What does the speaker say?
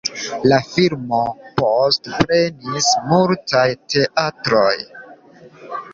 La filmo poste prenis multaj teatroj.